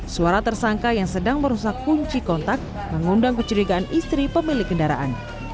suara tersangka yang sedang merusak kunci kontak mengundang kecurigaan istri pemilik kendaraan